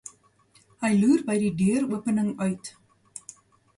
Hy loer by die deuropening uit.